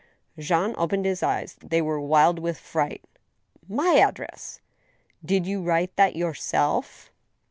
Jean opened his eyes ; they were wild with fright. "My address!" " Did you write that yourself?